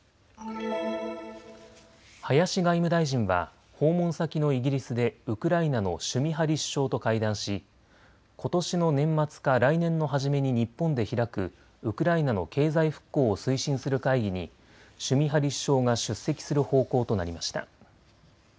林外務大臣は訪問先のイギリスでウクライナのシュミハリ首相と会談しことしの年末か来年の初めに日本で開くウクライナの経済復興を推進する会議にシュミハリ首相が出席する方向となりました。